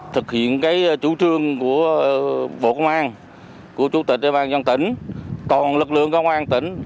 thực hiện cái chủ trương của bộ công an của chủ tịch đề bàn dân tỉnh toàn lực lượng công an tỉnh